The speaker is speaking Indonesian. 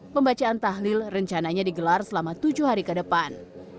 pembacaan tahlil rencananya digelar selama tujuh hari ke depan